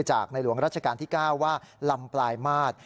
ในหลวงรัชกาลที่๙ว่าลำปลายมาตร